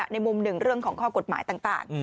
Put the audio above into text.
ในมุมหนึ่งเรื่องของข้อกฎหมายต่าง